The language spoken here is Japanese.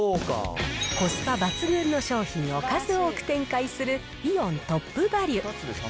コスパ抜群の商品を数多く展開する、イオントップバリュ。